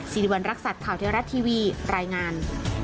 สิริวัณรักษัตริย์ข่าวเทวรัฐทีวีรายงาน